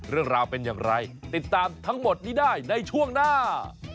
เรื่องราวเป็นอย่างไรติดตามทั้งหมดนี้ได้ในช่วงหน้า